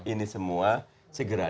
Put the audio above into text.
ini semua segera